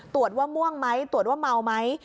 ตรวจว่าม่วงไหมตรวจว่าเมาไหม